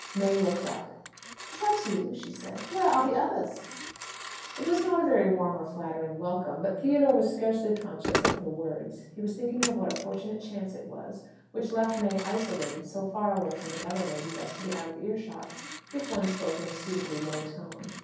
May looked up. "Is that you?" she said. "Where are the others?" It was not a very warm or flattering welcome; but Theodore was scarcely conscious of her words. He was thinking what a fortunate chance it was which left May isolated, so far away from the other ladies as to be out of earshot, if one spoke in a suitably low tone.